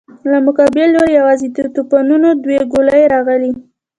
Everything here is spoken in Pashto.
له مقابل لورې يواځې د توپونو دوې ګولۍ راغلې.